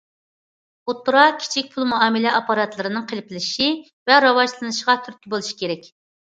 ئوتتۇرا، كىچىك پۇل مۇئامىلە ئاپپاراتلىرىنىڭ قېلىپلىشىشى ۋە راۋاجلىنىشىغا تۈرتكە بولۇش كېرەك.